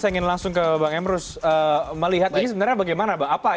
saya ingin langsung ke bang emrus melihat ini sebenarnya bagaimana bang